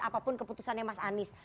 apapun keputusannya mas anies